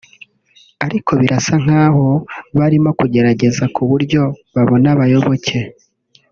ariko birasa nk’aho barimo kugerageza ku buryo babona abayoboke